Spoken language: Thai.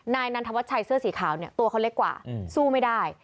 นายนันทวัชชัยเสื้อสีขาวเนี่ยตัวเขาเล็กกว่าสู้ไม่ได้